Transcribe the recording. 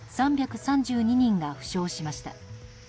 ３３２人が負傷しました。